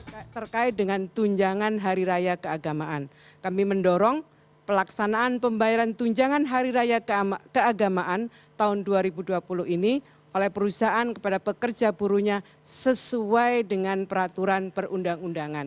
terkait dengan tunjangan hari raya keagamaan kami mendorong pelaksanaan pembayaran tunjangan hari raya keagamaan tahun dua ribu dua puluh ini oleh perusahaan kepada pekerja buruhnya sesuai dengan peraturan perundang undangan